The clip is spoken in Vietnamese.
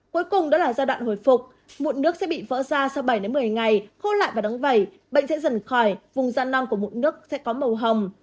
cuối cùng đó là giai đoạn hồi phục mụn nước sẽ bị vỡ ra sau bảy một mươi ngày khô lại và đóng vẩy bệnh sẽ dần khỏi vùng gian nong của mụn nước sẽ có màu hồng